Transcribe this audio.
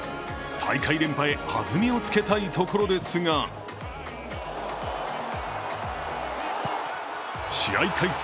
大会連覇へ弾みをつけたいところですが試合開始